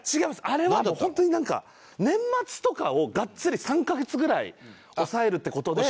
あれは本当になんか年末とかをガッツリ３カ月ぐらい押さえるって事で。